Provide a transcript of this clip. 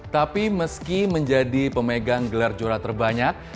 tapi meski menjadi pemegang gelar juara terbanyak